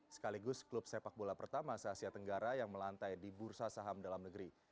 sekaligus klub sepak bola pertama se asia tenggara yang melantai di bursa saham dalam negeri